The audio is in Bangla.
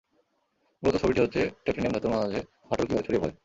মূলত ছবিটি হচ্ছে টাইটেনিয়াম ধাতুর মাঝে ফাটল কিভাবে ছড়িয়ে পড়ে।